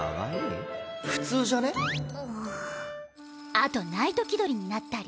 あとナイト気取りになったり。